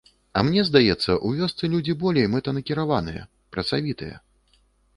А мне здаецца, у вёсцы людзі болей мэтанакіраваныя, працавітыя.